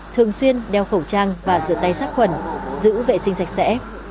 thường xuyên đeo khẩu trang và rửa tay sát khuẩn giữ vệ sinh sạch sẽ